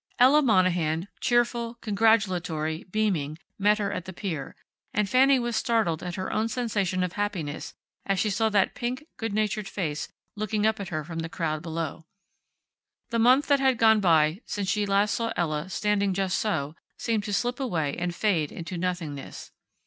Ella Monahan, cheerful, congratulatory, beaming, met her at the pier, and Fanny was startled at her own sensation of happiness as she saw that pink, good natured face looking up at her from the crowd below. The month that had gone by since last she saw Ella standing just so, seemed to slip away and fade into nothingness.